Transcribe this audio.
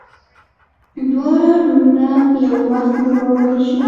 دواړه رولونه په یو وخت لوبولی شي.